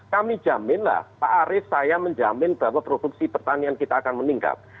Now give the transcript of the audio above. kami jaminlah pak arief saya menjamin bahwa produksi pertanian kita akan meningkat